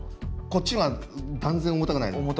こっちが断然重たくないですか。